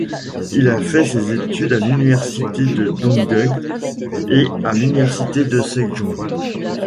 Il a fait ses études à l'université de Dongguk et à l'université de Sejong.